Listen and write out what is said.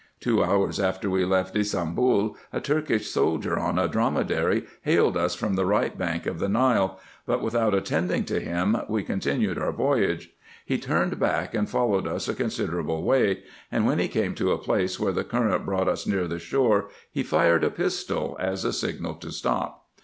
Two hours after we left Ybsambul, a Turkish soldier on a dromedary hailed us from the right bank of the 102 RESEARCHES AND OPERATIONS Nile; but, without attending to him, we continued our voyage. He turned back, and followed us a considerable way ; and when he came to a place, where the current brought us near the shore, he fired a pistol, as a signal to stop.